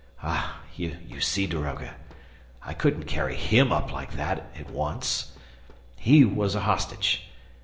"Ah, you see, daroga, I couldn't carry HIM up like that, at once. ... He was a hostage